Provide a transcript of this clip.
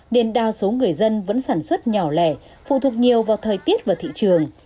nên đa số người dân vẫn sản xuất nhỏ lẻ phụ thuộc nhiều vào thời tiết và thị trường